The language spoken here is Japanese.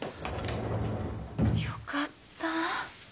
よかった。